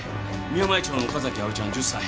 宮前町の岡崎葵ちゃん１０歳。